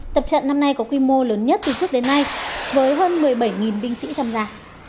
tập trận năm nay có quy mô lớn nhất từ trước đến nay với hơn một mươi bảy binh sĩ tham gia